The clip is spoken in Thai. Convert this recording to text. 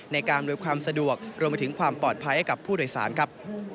ในการบริการสะดวกรวมถึงความปลอดภัยให้ผู้โดยสารครับ